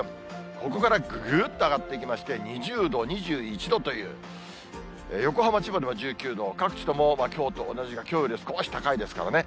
ここからぐぐっと上がっていきまして、２０度、２１度という、横浜、千葉でも１９度、各地ともきょうと同じかきょうより少し高いですからね。